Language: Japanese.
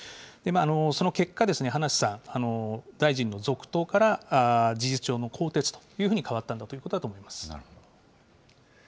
その結果、葉梨さん、大臣の続投から、事実上の更迭と変わったということだと思います。